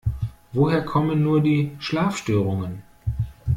Woher kommen nur die Schlafstörungen?